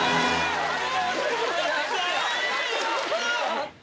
ありがとうございますやったー！